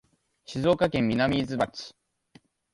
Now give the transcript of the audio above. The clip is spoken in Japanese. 静岡県南伊豆町